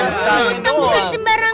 ngutang bukan sembarang